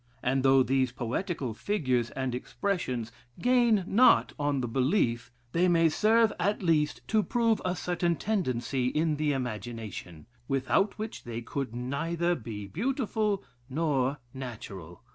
And though these poetical figures and expressions gain not on the belief; they may serve, at least, to prove a certain tendency in the imagination, without which they could neither be beautiful nor natural.